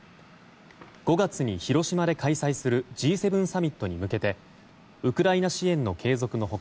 ５月に広島で開催するＧ７サミットに向けてウクライナ支援の継続の他